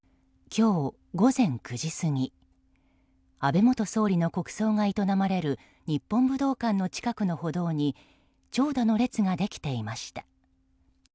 今日、午前９時過ぎ安倍元総理の国葬が営まれる日本武道館の近くの歩道に長蛇の列ができていました。